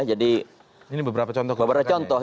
jadi ini beberapa contoh